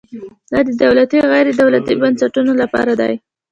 دا د دولتي او غیر دولتي بنسټونو لپاره دی.